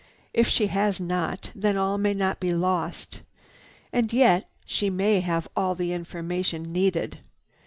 If she has not, then all may not be lost. And yet, she may have all the information needed.